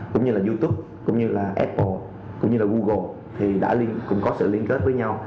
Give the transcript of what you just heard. cũng như là youtube cũng như là apple cũng như là google thì cũng có sự liên kết với nhau